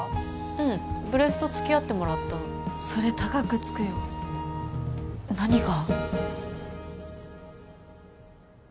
うんブレストつきあってもらったそれ高くつくよ何が？